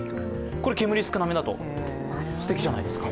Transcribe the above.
これ煙少なめだとすてきじゃないですか？